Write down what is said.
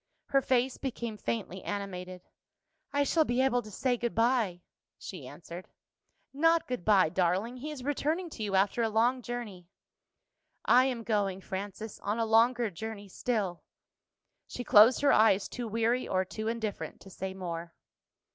Her face became faintly animated. "I shall be able to say good bye," she answered. "Not good bye, darling. He is returning to you after a long journey." "I am going, Frances, on a longer journey still." She closed her eyes, too weary or too indifferent to say more.